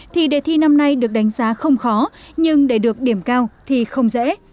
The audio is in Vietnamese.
thì đề thi năm nay được đánh giá không khó nhưng để được điểm cao thì không dễ